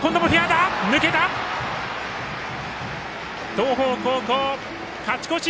東邦高校、勝ち越し！